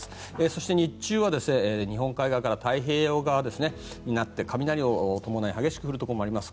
そして日中は日本海側や太平洋側になって雷を伴い激しく降るところもあります。